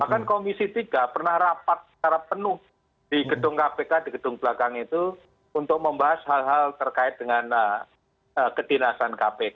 bahkan komisi tiga pernah rapat secara penuh di gedung kpk di gedung belakang itu untuk membahas hal hal terkait dengan kedinasan kpk